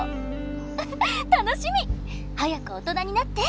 ウフッ楽しみ！早く大人になって。